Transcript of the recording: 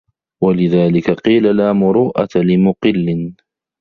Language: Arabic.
وَلِذَلِكَ قِيلَ لَا مُرُوءَةَ لِمُقِلٍّ